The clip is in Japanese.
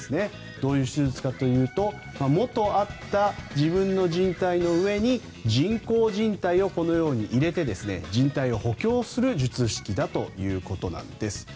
どういう手術かというと元あった自分のじん帯の上に人工じん帯をこのように入れてじん帯を補強する術式だということなんです。